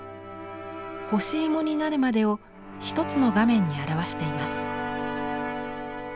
干しいもになるまでを一つの画面に表しています。